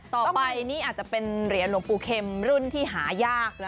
ต่อไปนี่อาจจะเป็นเหรียญหลวงปู่เข็มรุ่นที่หายากนะ